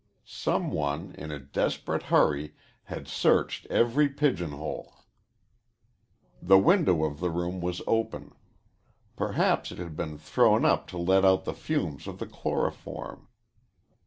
Some one, in a desperate hurry, had searched every pigeon hole. The window of the room was open. Perhaps it had been thrown up to let out the fumes of the chloroform.